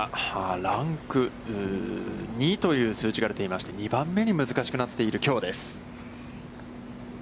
ランク２という数字が出ていまして、２番目に難しくなっている、きょうです。